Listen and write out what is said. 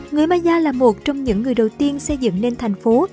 người maya là một trong những người đầu tiên xây dựng nên thành phố